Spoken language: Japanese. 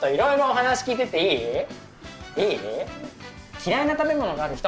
嫌いな食べ物がある人？